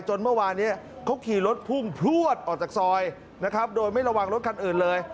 เมื่อวานนี้เขาขี่รถพุ่งพลวดออกจากซอยนะครับโดยไม่ระวังรถคันอื่นเลย